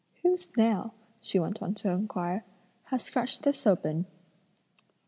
"Whose nail," she went on to inquire, "has scratched this open?"